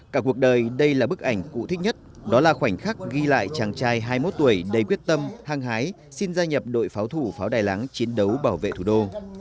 cả cuộc đời đây là bức ảnh cụ thích nhất đó là khoảnh khắc ghi lại chàng trai hai mươi một tuổi đầy quyết tâm hăng hái xin gia nhập đội pháo thủ pháo đài láng chiến đấu bảo vệ thủ đô